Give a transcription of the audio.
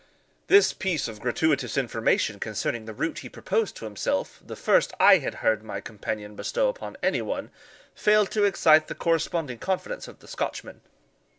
This piece of gratuitous information concerning the route he proposed to himself, the first I had heard my companion bestow upon any one, failed to excite the corresponding confidence of the Scotchman.